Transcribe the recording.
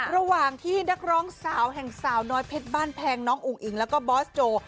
ระหว่างที่นักร้องสาวแห่งสาวน้อยเพชรบ้านแพงน้องอุ้งอิงแล้วก็บอสโจ